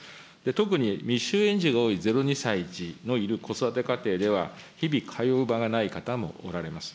特に未就園児が多い０ー２歳児のいる子育て家庭では、日々、通う場がない方もおられます。